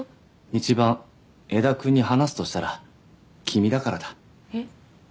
一番江田君に話すとしたら君だからだえっ？